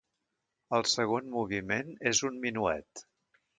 El segon moviment és un minuet.